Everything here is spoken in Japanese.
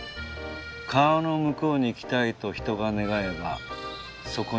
「川の向こうに行きたいと人が願えばそこに橋が架かる」。